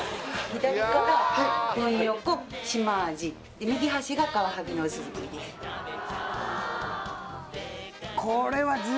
左から本ヨコシマアジ右端がカワハギの薄造りです